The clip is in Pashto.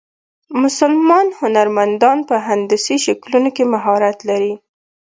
مسلمان هنرمندان په هندسي شکلونو کې مهارت لري.